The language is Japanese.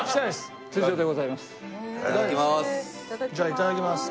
いただきます！